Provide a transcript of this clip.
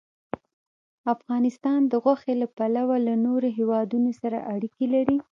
افغانستان د غوښې له پلوه له نورو هېوادونو سره اړیکې لري.